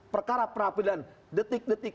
perkara pra peradilan detik detik